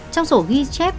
trong sổ ghi chép